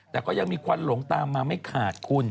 แต่ก็ยังมีควันหลงตามมาไม่ขาดคุณ